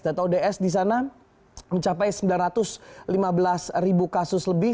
data ods di sana mencapai sembilan ratus lima belas ribu kasus lebih